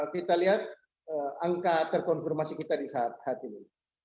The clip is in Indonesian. kita lihat angka terkonfirmasi kita di saat ini